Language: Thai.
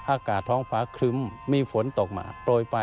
อากาศท้องฟ้าครึ้มมีฝนตกมาโปรยไป